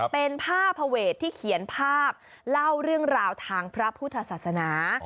เป็นภาพภเวทที่เขียนภาพเล่าเรื่องราวทางพระพุทธศาสนา